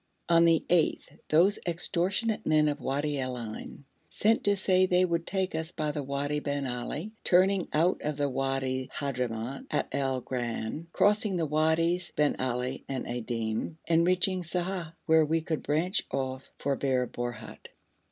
On the 8th those extortionate men of Wadi al Ain sent to say they would take us by the Wadi bin Ali, turning out of Wadi Hadhramout at Al Gran, crossing the Wadis bin Ali and Adim, and reaching Sa'ah, where we could branch off for Bir Borhut.